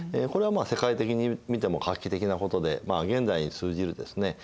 これは世界的に見ても画期的なことで現代に通じるですね